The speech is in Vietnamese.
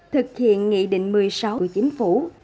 thực hiện nghị định một mươi sáu của chính phủ